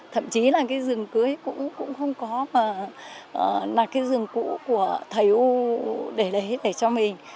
thậm chí là cái rừng cưới cũng không có mà là cái rừng cũ của thầy u để đấy để cho mình